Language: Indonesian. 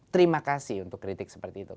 terima kasih untuk kritik seperti itu